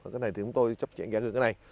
cái này thì chúng tôi sẽ giải thưởng cái này